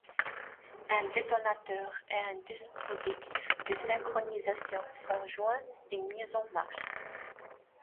Un détonateur et un dispositif de synchronisation sont joints et mis en marche.